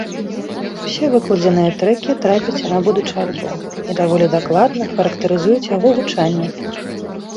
Усе выкладзеныя трэкі трапяць і на будучы альбом і даволі дакладна характарызуюць яго гучанне.